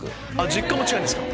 実家も近いんですか。